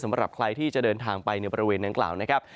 สำหรับใครที่จะเดินทางไปในบริเวณดังกล่าวนะครับ